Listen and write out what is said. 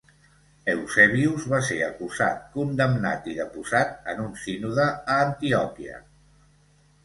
Eusebius va ser acusat, condemnat i deposat en un sínode a Antioquia.